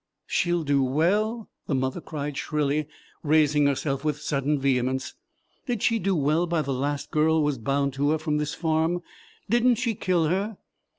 "She'll do well?" the mother cried shrilly, raising herself with sudden vehemence. "Did she do well by the last girl was bound to her from this farm? Did n't she kill her?"